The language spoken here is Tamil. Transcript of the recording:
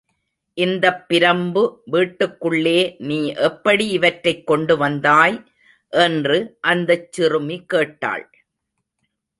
இந்தப் பிரம்பு வீட்டுக்குள்ளே நீ எப்படி இவற்றைக் கொண்டு வந்தாய்! என்று அந்தச் சிறுமி கேட்டாள்.